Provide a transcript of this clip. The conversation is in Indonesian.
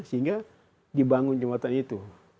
sehingga dibangun jembatan itu